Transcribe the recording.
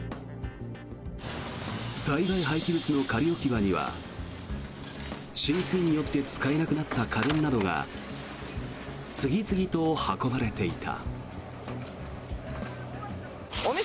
災害廃棄物の仮置き場には浸水によって使えなくなった家電などが次々と運ばれていた。